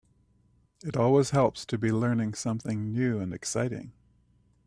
It always helps to be learning something new and exciting.